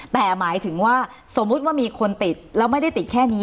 แต่หมายถึงว่าสมมุติว่ามีคนติดแล้วไม่ได้ติดแค่นี้